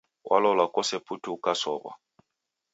Walolwa kose putu ukasow'a.